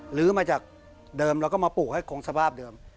หรือมาจากเดิมแล้วก็มาปลูกให้คงสภาพเดิม